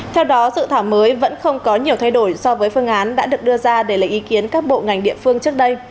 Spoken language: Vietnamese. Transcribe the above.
theo đó dự thảo mới vẫn không có nhiều thay đổi so với phương án đã được đưa ra để lấy ý kiến các bộ ngành địa phương trước đây